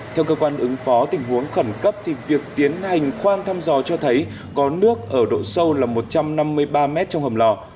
theo cơ quan ứng phó tình huống khẩn cấp việc tiến hành khoan thăm dò cho thấy có nước ở độ sâu là một trăm năm mươi ba mét trong hầm lò